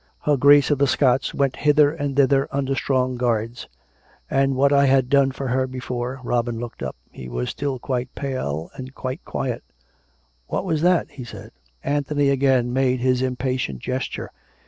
Her Grace of the Scots went hither and thither under strong guards; and what I had done for her before " Robin looked up. He was jstill quite pale and quite quiet. " What was that ?" he said. Anthony again made his impatient gesture.